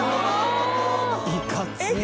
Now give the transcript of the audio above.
いかつい。